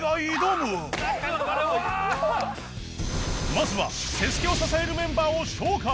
まずは ＳＥＳＵＫＥ を支えるメンバーを紹介